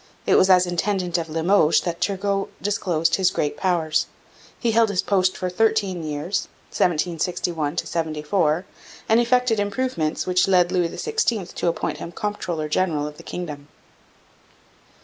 It was as intendant of Limoges that Turgot disclosed his great powers. He held his post for thirteen years (1761 74), and effected improvements which led Louis XVI to appoint him comptroller general of the Kingdom.